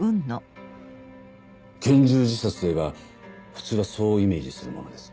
拳銃自殺といえば普通はそうイメージするものです。